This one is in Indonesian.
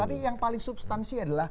tapi yang paling substansi adalah